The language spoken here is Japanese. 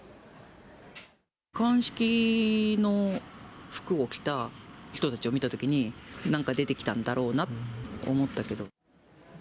鑑識の服を着た人たちを見たときに、なんか出てきたんだろうなと思ったけど。